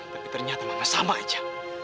tapi ternyata maka sama aja